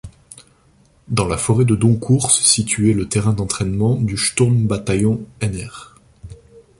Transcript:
Dans la forêt de Doncourt se situait le terrain d'entraînement du “Sturm-Bataillon Nr.